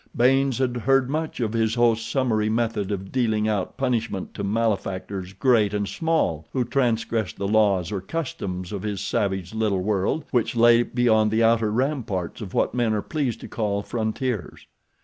Baynes had heard much of his host's summary method of dealing out punishment to malefactors great and small who transgressed the laws or customs of his savage little world which lay beyond the outer ramparts of what men are pleased to call frontiers.